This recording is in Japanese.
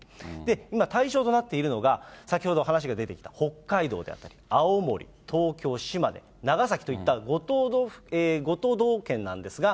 今対象となっているのが、先ほど話が出てきた北海道であったり、青森、東京、島根、長崎といった５都道県なんですが。